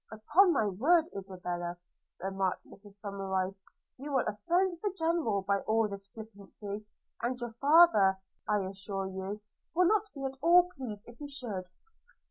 'Upon my word, Isabella,' remarked Mrs Somerive, 'you will offend the General by all this flippancy; and your father, I assure you, would not be at all pleased if you should.'